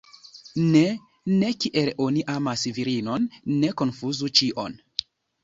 Ne, ne kiel oni amas virinon, ne konfuzu ĉion.